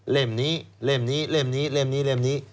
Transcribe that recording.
เล่มนี้เล่มนี้เล่มนี้